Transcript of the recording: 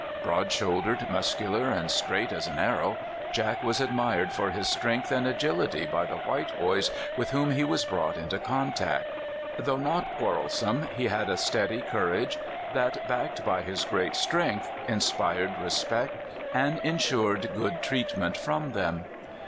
Broad shouldered, muscular, and straight as an arrow, Jack was admired for his strength and agil ity by the white boys with whom he was brought into contact. Though not quarrelsome, he had a steady courage that, iDacked by his great strength, l86 CALIFORNIA SKETCHES. inspired respect and insured good treatment from them.